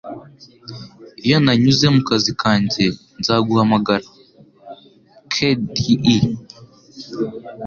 Iyo nanyuze mu kazi kanjye, nzaguhamagara. (qdii)